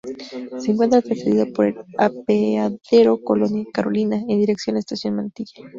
Se encuentra antecedida por el Apeadero Colonia Carolina, en dirección a Estación Mantilla.